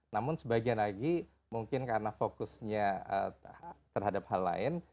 namun sebagian lagi mungkin karena fokusnya terhadap hal lain